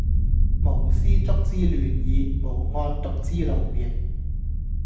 無絲竹之亂耳，無案牘之勞形